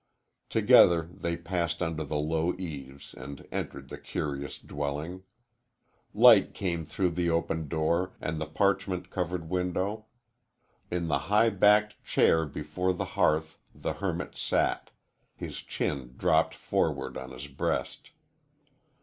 Together they passed under the low eaves and entered the curious dwelling. Light came through the open door and the parchment covered window. In the high backed chair before the hearth the hermit sat, his chin dropped forward on his breast.